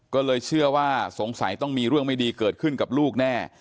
ก็เลยเชื่อว่าสงสัยต้องมีเรื่องไม่ดีเกิดขึ้นกับลูกแน่